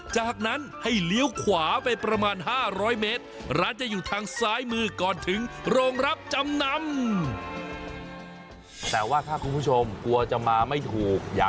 จากนั้นให้เลี้ยวขวาไปประมาณ๕๐๐เมตรร้านจะอยู่ทางซ้ายมือก่อนถึงโรงรับจำนำ